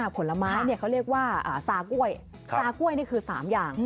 ผลไม้เขาเรียกว่าซากล้วยซากล้วยนี่คือ๓อย่าง